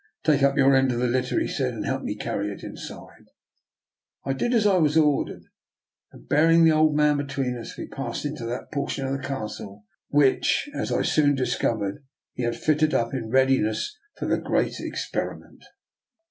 " Take up your end of the litter," he said, " and help me to carry it inside." I did as I was ordered; and, bearing the old man between us, we passed into that por tion of the castle which, as I soon discovered, he had fitted up in readiness for the great ex periment. l62 DR. NIKOLA'S EXPERIMENT.